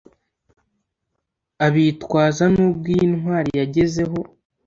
abitwazanubwo iyi ntwari-yagezeho